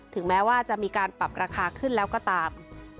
แม้ว่าจะมีการปรับราคาขึ้นแล้วก็ตาม